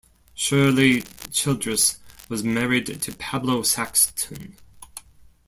Shirley Childress was married to Pablo Saxton.